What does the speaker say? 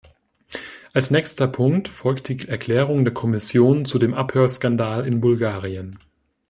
Als nächster Punkt folgt die Erklärung der Kommission zu dem Abhörskandal in Bulgarien.